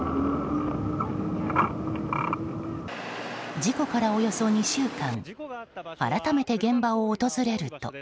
事故から、およそ２週間改めて現場を訪れると。